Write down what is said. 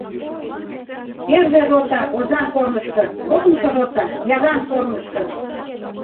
Первый рота, Озаҥ корнышко, кокымшо рота, Яраҥ корнышко!..